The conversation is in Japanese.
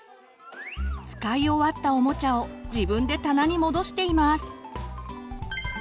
使い終わったおもちゃを自分で棚に戻しています。